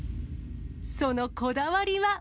そのこだわりは。